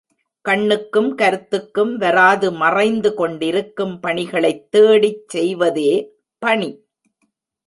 கண்ணுக்கும் கருத்துக்கும் வராது மறைந்து கொண்டிருக்கும் பணிகளைத் தேடிச் செய்வதேபணி.